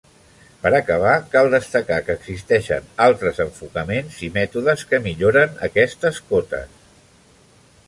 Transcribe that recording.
Per acabar, cal destacar que existeixen altres enfocaments i mètodes que milloren aquestes cotes.